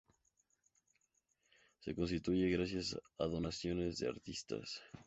Se constituye gracias a donaciones de artistas.